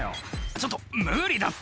「ちょっと無理だって」